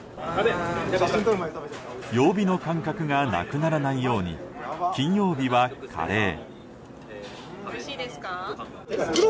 曜日の感覚がなくならないように金曜日はカレー。